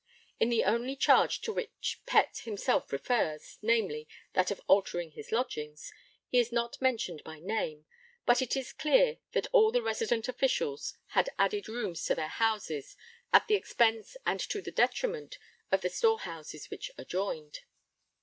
In the only charge to which Pett himself refers, namely, that of altering his lodgings, he is not mentioned by name, but it is clear that all the resident officials had added rooms to their houses at the expense and to the detriment of the storehouses which adjoined.